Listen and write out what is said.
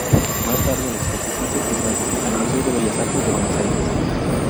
Más tarde, la exposición es trasladada al Museo de Bellas Artes de Buenos Aires.